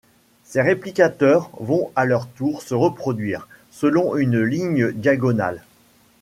Ces réplicateurs vont à leur tour se reproduire, selon une ligne diagonale.